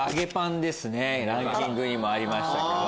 ランキングにもありましたけど。